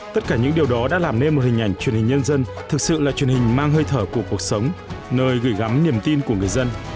tất cả những điều đó đã làm nên một hình ảnh truyền hình nhân dân thực sự là truyền hình mang hơi thở của cuộc sống nơi gửi gắm niềm tin của người dân